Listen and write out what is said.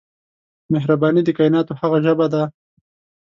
مهرباني د کایناتو هغه ژبه ده